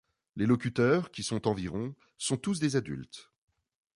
Les locuteurs, qui sont environ sont tous des adultes.